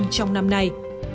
trong năm nay